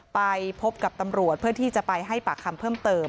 ไปพบกับตำรวจเพื่อที่จะไปให้ปากคำเพิ่มเติม